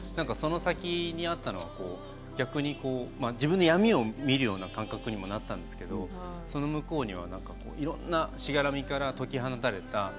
その先にあったのは、逆に自分の闇を見るような感覚にもなったんですけど、その向こうには、いろんなしがらみから解き放たれた。